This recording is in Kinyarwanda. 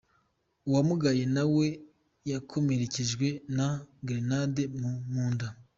Uwamugaye nawe yakomerekejwe na Grenade mu nda.